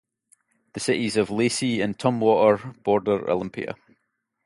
The cities of Lacey and Tumwater border Olympia.